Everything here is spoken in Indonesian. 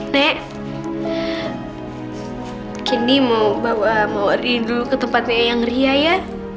nek kenny mau bawa ria dulu ke tempatnya yang ria ya